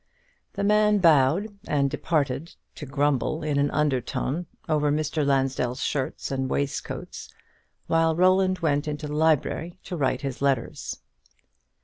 The man bowed and departed, to grumble, in an undertone, over Mr. Lansdell's shirts and waistcoats, while Roland went into the library to write his letters.